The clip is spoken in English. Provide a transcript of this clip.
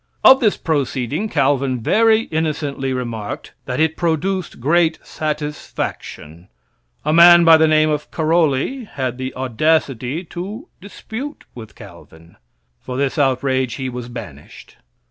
Of this proceeding Calvin very innocently remarked, that it produced great satisfaction. A man by the name of Caroli had the audacity to dispute with Calvin. For this outrage he was banished.